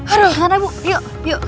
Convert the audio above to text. aduh sana bu yuk yuk